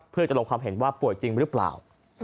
เพื่อจะลงความเห็นว่าป่วยจริงหรือเปล่า